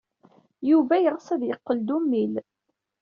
Yuba yeɣs ad yeqqel d ummil.